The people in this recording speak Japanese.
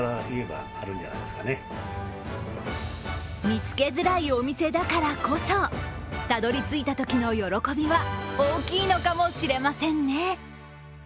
見つけづらいお店だからこそたどり着いたときの喜びは大きいのかもしれませんね。